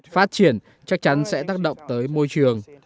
phát triển chắc chắn sẽ tác động tới môi trường